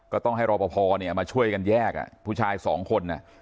ก็ต้องให้รปภอธิ์เนี่ยมาช่วยกันแยกอ่ะผู้ชายสองคนน่ะ